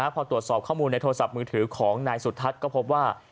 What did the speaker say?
พอตรวจสอบข้อมูลในโทรศัพท์มือถือของนายสุทัศน์ก็พบว่า